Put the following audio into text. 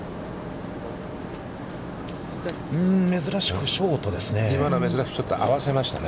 珍しくショートですね。